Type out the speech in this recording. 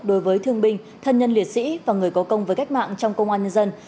đối với thương binh thân nhân liệt sĩ và người có công với cách mạng trong công an nhân dân